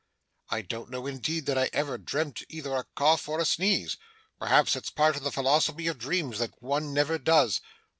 I don't know, indeed, that I ever dreamt either a cough or a sneeze. Perhaps it's part of the philosophy of dreams that one never does.